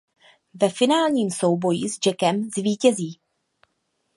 Ve finálním souboji s Jackem zvítězí.